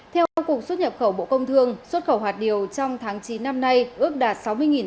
theo cục xuất nhập khẩu bộ công thương xuất khẩu hạt điều trong tháng chín năm nay ước đạt sáu mươi tấn